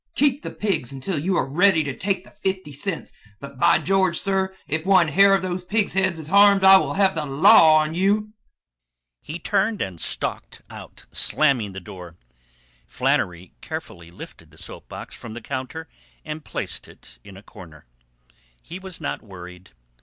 Keep the pigs until you are ready to take the fifty cents, but, by George, sir, if one hair of those pigs' heads is harmed I will have the law on you!" He turned and stalked out, slamming the door. Flannery carefully lifted the soap box from the counter and placed it in a corner. He was not worried.